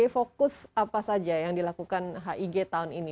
fokus apa saja yang dilakukan hig tahun ini